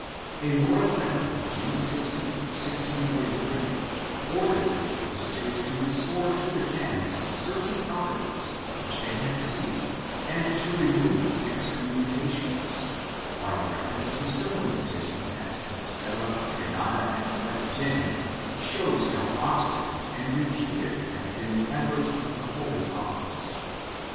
A royal letter of June 16, 1643, ordered the inquisitors to restore to the canons certain properties which they had seized and to remove the excommunications, while reference to similar decisions at Com postella, Granada and Cartagena shows how obstinate and repeated had been the effort of the Holy Office.